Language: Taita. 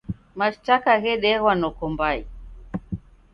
Mashtaka ghedeghwa noko mbai.